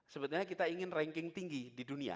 sebenarnya kita ingin ranking tinggi di dunia